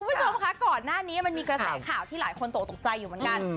คุณผู้ชมคะก่อนหน้านี้มันมีกระแสข่าวที่หลายคนตกตกใจอยู่เหมือนกัน